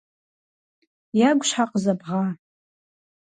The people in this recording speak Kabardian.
- Ягу щхьэ къызэбгъа?